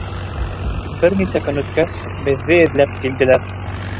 Бер нисә көн үткәс, беҙҙе эҙләп килделәр.